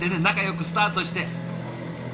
仲よくスタートして。